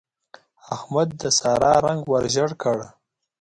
احمد د سارا رنګ ور ژړ کړ.